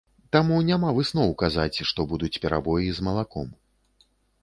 Таму няма высноў казаць, што будуць перабоі з малаком.